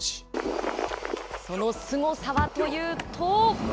そのすごさはというと。